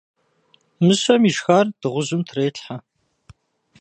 Мыщэм ишхар дыгъужьым трелхьэ.